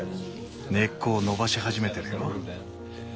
根っこを伸ばし始めてるよ。